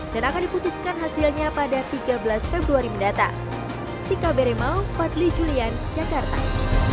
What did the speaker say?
dan akan diputuskan hasilnya pada tiga belas februari mendatang